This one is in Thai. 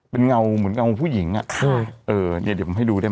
เป็นเงาเหมือนเงาผู้หญิงอ่ะเออเนี้ยเดี๋ยวผมให้ดูได้